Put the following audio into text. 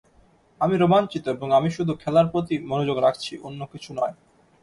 আমি রোমাঞ্চিত এবং আমি শুধু খেলার প্রতি মনোযোগ রাখছি, অন্য কিছু নয়।